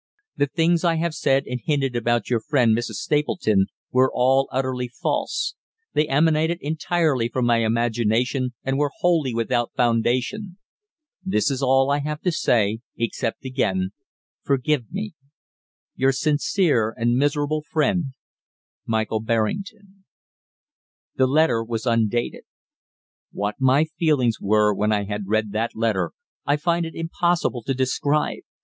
The things I have said and hinted about your friend Mrs. Stapleton were all utterly false; they emanated entirely from my imagination and were wholly without foundation. This is all I have to say, except again forgive me. "Your sincere and miserable friend, MICHAEL BERRINGTON." The letter was undated. What my feelings were when I had read that letter, I find it impossible to describe.